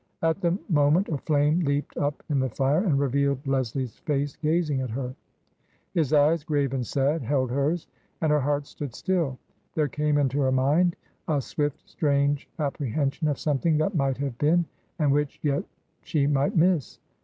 At the moment a flame leaped up in the fire and revealed Leslie's face gazing at her. His eyes — grave and sad — held hers ; and her heart stood still. There came into her mind a swift, strange appre hension of something that might have been and which yet she might miss.